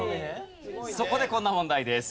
そこでこんな問題です。